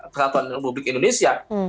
peraturan republik indonesia